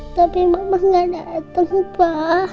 tapi mama gak dateng pa